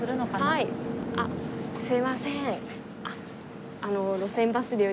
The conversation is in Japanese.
はいすいません。